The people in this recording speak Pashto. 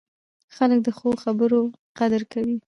خلک د ښو خبرو قدر کوي